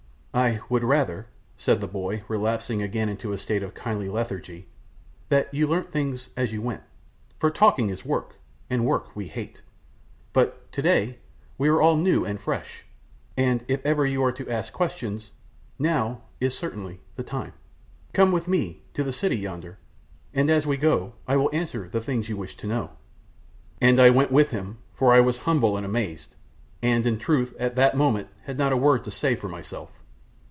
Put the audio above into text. "I would rather," said the boy, relapsing again into his state of kindly lethargy, "that you learnt things as you went, for talking is work, and work we hate, but today we are all new and fresh, and if ever you are to ask questions now is certainly the time. Come with me to the city yonder, and as we go I will answer the things you wish to know;" and I went with him, for I was humble and amazed, and, in truth, at that moment, had not a word to say for myself.